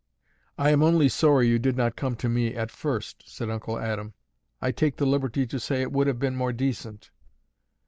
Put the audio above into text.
"I am only sorry you did not come to me at first," said Uncle Adam. "I take the liberty to say it would have been more decent."